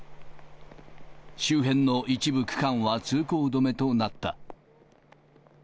周辺の一部区間は通行止めとなった。